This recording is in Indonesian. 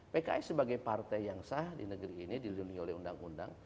pks sebagai partai yang sah di negeri ini dilindungi oleh undang undang